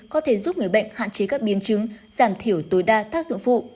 có thể giúp người bệnh hạn chế các biến chứng giảm thiểu tối đa tác dụng phụ